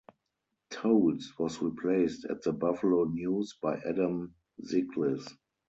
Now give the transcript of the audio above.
Toles was replaced at the "Buffalo News" by Adam Zyglis.